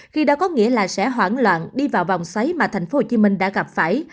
khi đã có nghĩa là sẽ hoảng loạn đi vào vòng xoáy mà thành phố hồ chí minh đã gặp phải